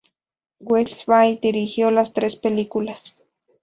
Wes Ball dirigió las tres películas.